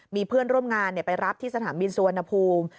มีเพื่อนร่วมงานไปรับที่สนามบินสุวรรณภูมิ